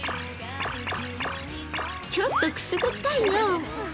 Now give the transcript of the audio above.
ちょっとくすぐったいよ。